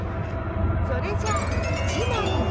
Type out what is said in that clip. それじゃあ１まいめ。